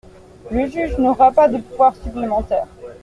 Le juge n’aura pas de pouvoir supplémentaire.